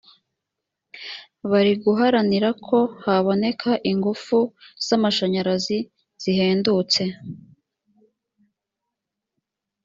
barig uharanira ko haboneka ingufu z amashanyarazi zihendutse .